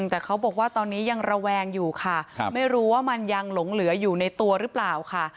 แต่เขาบอกว่าตอนนี้ยังระแวงอยู่ค่ะไม่รู้ว่ามันยังหลงเหลืออยู่ในตัวหรือเปล่าค่ะ